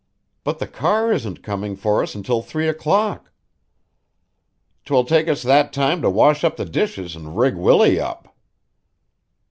"But the car isn't coming for us until three o'clock." "'Twill take that time to wash up the dishes an' rig Willie up."